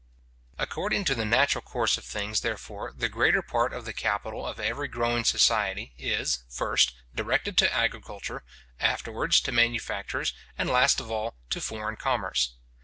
According to the natural course of things, therefore, the greater part of the capital of every growing society is, first, directed to agriculture, afterwards to manufactures, and, last of all, to foreign commerce.